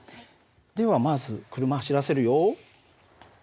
ではまず車走らせるよ。